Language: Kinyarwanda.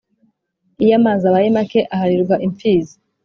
Iyo amazi abaye make aharirwa impfizi.